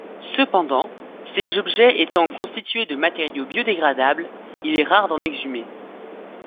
Cependant, ces objets étant constitués de matériaux biodégradables, il est rare d'en exhumer.